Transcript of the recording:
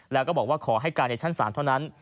แล้วก็บอกว่าขอให้การในชั้นศาลเท่านั้น